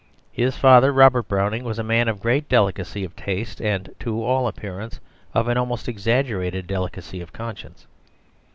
His father, Robert Browning, was a man of great delicacy of taste, and to all appearance of an almost exaggerated delicacy of conscience.